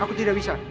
aku tidak bisa